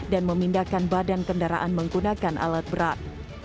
dan memindahkan badan kendaraan menggunakan alat berat